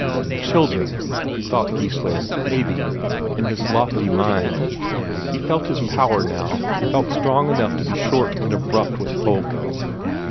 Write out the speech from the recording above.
Children! thought Geissler, maybe, in his lofty mind; he felt his power now, felt strong enough to be short and abrupt with folk.